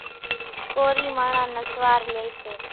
ڪورِي ماڻۿان نسوار ليئيَ سي۔